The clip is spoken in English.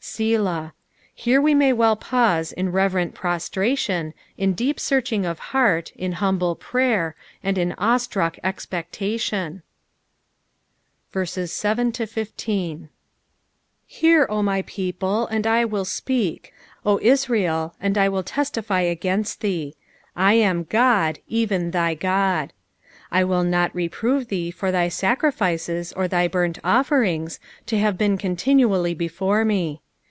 "8»lah." Here we ma; well pause in reverent prostra* tion, in deep searching of heart, in humble prayer, and in awe struck expectation. 7 Hear, O my people, and I will speak ; O Israel, and I will testify against thee : I am God, even thy God, 8 I will not reprove thee for thy sacrifices or thy burnt offerings, to liave been continually before me.